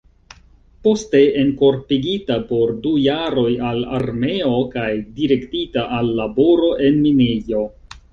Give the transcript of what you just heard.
Poste enkorpigita por du jaroj al armeo kaj direktita al laboro en minejo.